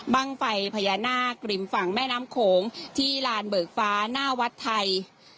ไฟพญานาคริมฝั่งแม่น้ำโขงที่ลานเบิกฟ้าหน้าวัดไทย